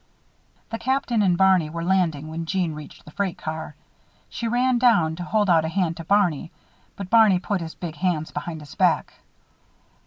The Captain and Barney were landing when Jeanne reached the freight car. She ran down to hold out a hand to Barney. But Barney put his big hands behind his back.